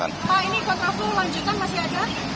pak ini kontraflow lanjutan masih ada